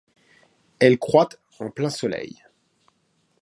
Elle croît en plein soleil.